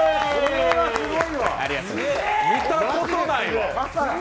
見たことない！